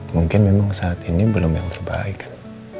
mungkin memang saat ini belum yang terbaik kan